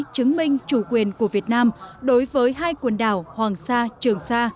chứng minh chủ quyền của việt nam đối với hai quần đảo hoàng sa trường sa